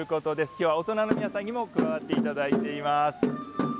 きょうは大人の皆さんにも加わっていただいています。